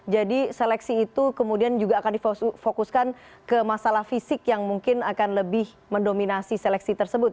jadi seleksi itu kemudian juga akan difokuskan ke masalah fisik yang mungkin akan lebih mendominasi seleksi tersebut